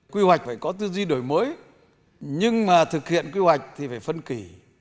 quy hoạch phải có tư duy đổi mới nhưng mà thực hiện quy hoạch thì phải phân kỷ